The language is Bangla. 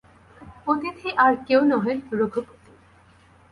অতিথি আর কেহ নহেন, রঘুপতি।